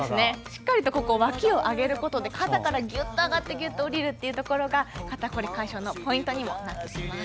しっかりとわきを上げることで肩からぎゅっと上がってギュッと下りるというところが肩こり解消のポイントにもなってきます。